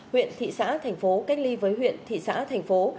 huyện thị xã thành phố cách ly với huyện thị xã thành phố